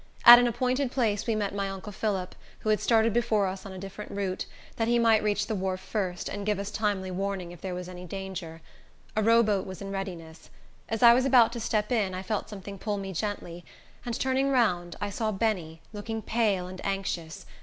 At an appointed place we met my uncle Phillip, who had started before us on a different route, that he might reach the wharf first, and give us timely warning if there was any danger. A row boat was in readiness. As I was about to step in, I felt something pull me gently, and turning round I saw Benny, looking pale and anxious.